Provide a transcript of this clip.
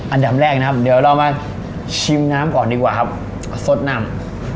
อันดับแรกนะครับเดี๋ยวเรามาชิมน้ำก่อนดีกว่าครับสดนำ